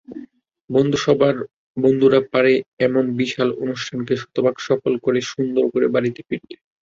বন্ধুসভার বন্ধুরা পারে এমন বিশাল অনুষ্ঠানকে শতভাগ সফল করে, সুন্দর করে বাড়ি ফিরতে।